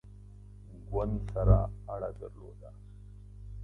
ګوند سره اړه درلوده.